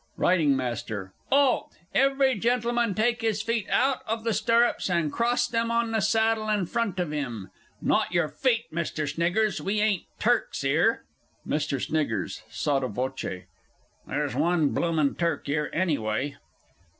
R. M. 'Alt! Every Gentleman take his feet out of the stirrups, and cross them on the saddle in front of him. Not your feet, Mr. Sniggers, we ain't Turks 'ere! MR. S. (sotto voce). "There's one bloomin' Turk 'ere, anyway!"